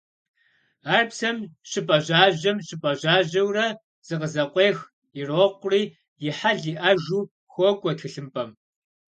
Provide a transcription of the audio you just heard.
Ар псэм щыпӀэжьажьэм – щыпӀэжьажьэурэ зыкъызэкъуех, ирокъури, «и хьэл иӀэжу» хуокӀуэ тхылъымпӀэм.